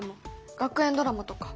学園ドラマとか。